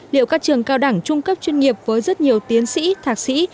liệu các trường cao đẳng trung cấp chuyên nghiệp với rất nhiều tiến sĩ thạc sĩ